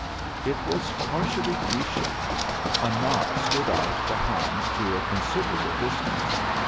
It was partly Grecian: a knot stood out behind to a considerable distance.